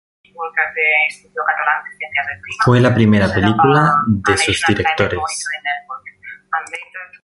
Fue la primera película de sus directores.